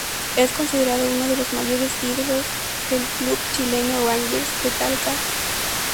Es considerado uno de los mayores ídolos del club chileno Rangers de Talca.